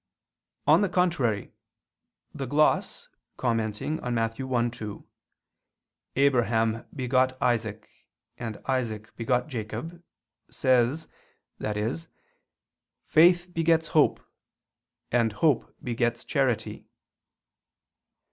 On the contrary, The gloss commenting on Matt. 1:2, "Abraham begot Isaac, and Isaac begot Jacob," says, i.e. "faith begets hope, and hope begets charity."